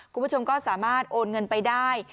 คุณผู้ชมก็สามารถโอนเงินไปได้